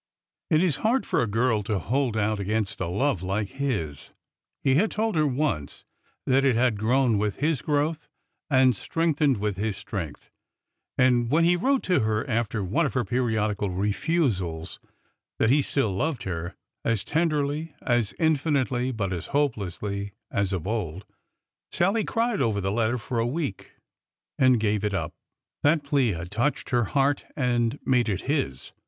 It is hard for a girl to hold out against a love like his,— he had told her once that it had grown with his growth, and strengthened with his strength,"— and when he wrote to her, after one of her pe riodical refusals, that he still loved her '' as tenderly, as infinitely, but as hopelessly as of old," Sallie cried over the letter for a week and gave it up. That plea had touched her heart and made it his.